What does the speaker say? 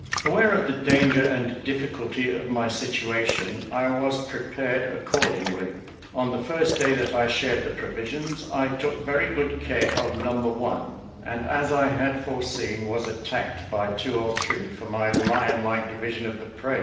Aware of the danger and difficulty of my situation, I was prepared accordingly. On the first day that I shared the provisions, I took very good care of number one, and, as I had foreseen, was attacked by two or three for my lion like division of the prey.